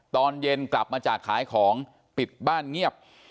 ตอนเย็นกลับมาจากขายของปิดบ้านเงียบ